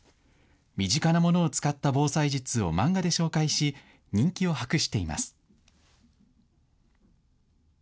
身近なものを使った防災術を漫画で紹介し人気を博しています。